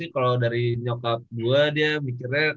kalau dari nyokap gue dia mikirnya